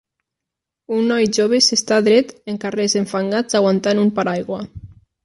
Un noi jove s'està dret en carrers enfangats aguantant un paraigua.